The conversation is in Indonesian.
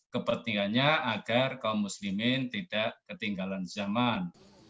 kepentingannya agar kaum muslimin tidak ketinggalan zaman